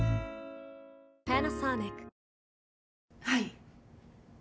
はい。